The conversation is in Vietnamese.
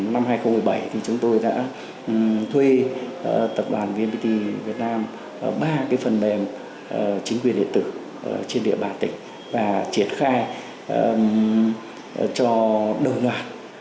năm hai nghìn một mươi bảy chúng tôi đã thuê tập đoàn vnpt việt nam ba phần mềm chính quyền điện tử trên địa bàn tỉnh và triển khai cho đồng loạt